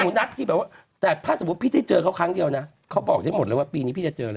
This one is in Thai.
นัดที่แบบว่าแต่ถ้าสมมุติพี่ได้เจอเขาครั้งเดียวนะเขาบอกได้หมดเลยว่าปีนี้พี่จะเจอเลย